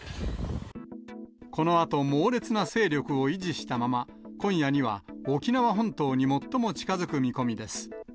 このあと、猛烈な勢力を維持したまま、今夜には沖縄本島に最も近づく見込みです。